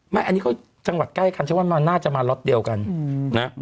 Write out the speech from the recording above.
ไม่อันนี้เพราะจังหวัดใกล้ขันใช่ว่าน่าจะมาล็อตเดียวกันนะ